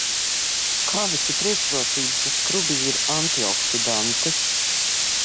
Kādas ir priekšrocības, ja skrubī ir antioksidanti?